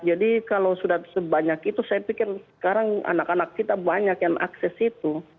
jadi kalau sudah sebanyak itu saya pikir sekarang anak anak kita banyak yang akses itu